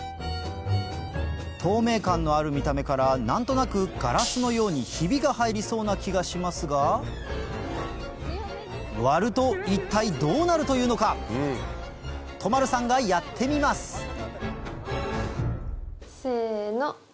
透明感のある見た目から何となくガラスのようにヒビが入りそうな気がしますが都丸さんがやってみますせの！